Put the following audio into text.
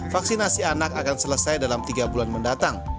vaksinasi anak akan selesai dalam tiga bulan mendatang